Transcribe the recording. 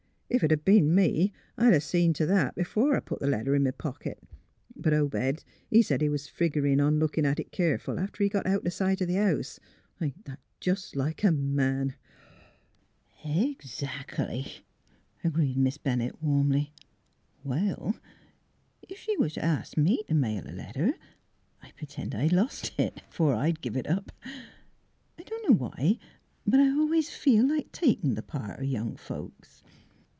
'' Ef it'd been me, I'd 'a' seen t' that b'fore I put th' letter in my pocket. But Obed, he said he was figgerin' on lookin' at it keer ful after he'd got out o' sight o' th' house. Ain't that jes' like a man? "'' Eggs ac'Iy! " agreed Miss Bennett, warmly. '' Well, ef she was to ask me t' mail a letter, I'd 178 THE HEART OF PHILUEA pr'tend I'd lost it, afore I'd give it up. I dunno why but I always feel like takin' tli' part o' th' young folks.